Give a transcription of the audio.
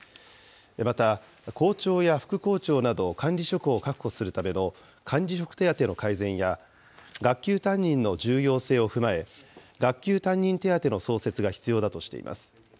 また、校長や副校長など、管理職を確保するための管理職手当の改善や、学級担任の重要性を踏まえ、学級担任手当の創設が必要だとしています。